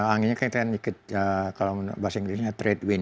anginnya kalau kita basing diri